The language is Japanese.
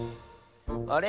あれ？